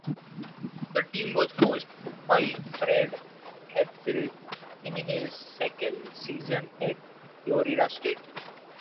The team was coached by Fred Hatfield in his second season at Florida State.